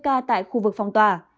một mươi ca tại khu vực phong tỏa